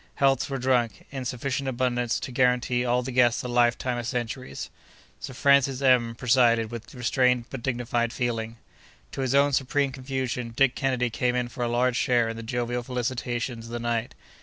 Healths were drunk, in sufficient abundance to guarantee all the guests a lifetime of centuries. Sir Francis M——presided, with restrained but dignified feeling. To his own supreme confusion, Dick Kennedy came in for a large share in the jovial felicitations of the night.